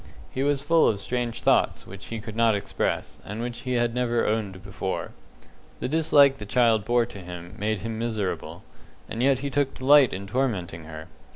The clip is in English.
He was full of strange thoughts, which he could not express, and which he had never owned before. The dislike the child bore to him made him miserable, and yet he took delight in tormenting her.